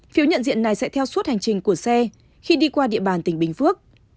phiếu nhận diện này sẽ theo suốt hành trình của xe khi đi qua địa bàn tỉnh bình phước